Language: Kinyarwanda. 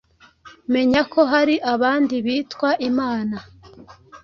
menya ko hari abandi bitwa imana.